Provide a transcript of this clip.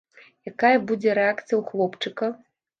Якая будзе рэакцыя ў хлопчыка?